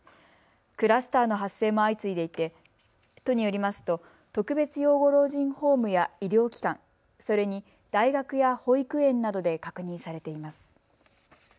クラスターの発生も相次いでいて都によりますと特別養護老人ホームや医療機関、それに大学や保育園などで確認されています。